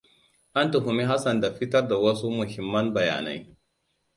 An tuhumi Hassan da fitar da wasu muhimman bayanai.